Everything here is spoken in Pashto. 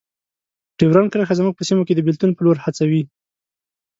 ډیورنډ کرښه زموږ په سیمو کې د بیلتون په لور هڅوي.